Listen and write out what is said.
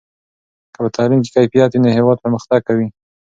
که په تعلیم کې کیفیت وي نو هېواد پرمختګ کوي.